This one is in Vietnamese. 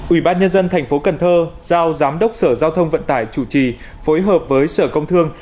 ủy ban nhân dân thành phố cần thơ giao giám đốc sở giao thông vận tải chủ trì phối hợp với sở công thương